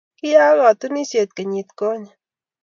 Kiyaak katunisiet kenyit konye